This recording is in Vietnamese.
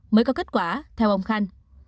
mới có kết quả theo ông khanh